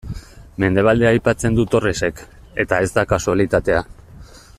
Mendebaldea aipatzen du Torresek, eta ez da kasualitatea.